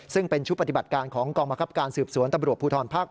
ซึ่งเป็นชุดปฏิบัติการของกองบังคับการสืบสวนตำรวจภูทรภาค๙